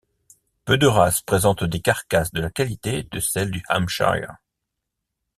Peu de races présentent des carcasses de la qualité de celles du hampshire.